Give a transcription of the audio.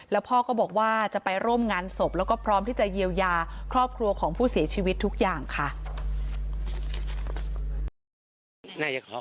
แล้วพ่อก็บอกว่าจะไปร่วมงานศพแล้วก็พร้อมที่จะเยียวยาครอบครัวของผู้เสียชีวิตทุกอย่างค่ะ